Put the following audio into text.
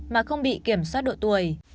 mà không bị kiểm soát độ tuổi